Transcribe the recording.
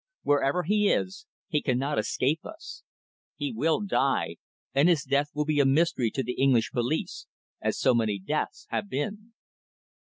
Wherever he is, he cannot escape us. He will die, and his death will be a mystery to the English police as so many deaths have been."